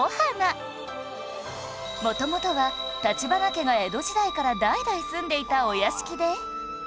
元々は立花家が江戸時代から代々住んでいたお屋敷で